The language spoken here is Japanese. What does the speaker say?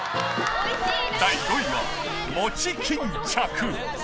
第５位は餅巾着。